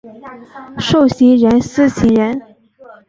授行人司行人。